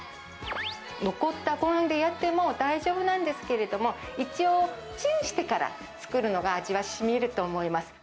残ったごはんでやっても大丈夫なんですけども、一応、チンしてから作るのが味はしみると思います。